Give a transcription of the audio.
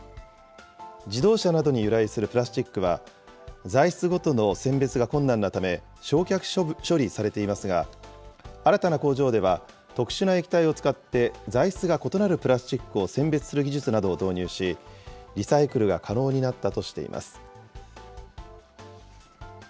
自動車などに由来するプラスチックは、材質ごとの選別が困難なため、焼却処理されていますが、新たな工場では、特殊な液体を使って、材質が異なるプラスチックを選別する技術などを導入し、リサイクルが可能になったとしています。